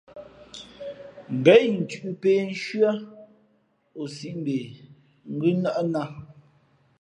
Ngα̌ incʉ̄ʼ pē nshʉ́ά ,o sīʼ mbe ngʉ́ nάʼ nā.